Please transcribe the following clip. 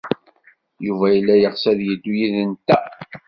Yuba yella yeɣs ad yeddu yid-nteɣ.